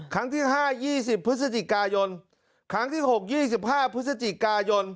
ครั้งที่๕๒๐พฤศจิกายนครั้งที่๖๒๕พฤศจิกายน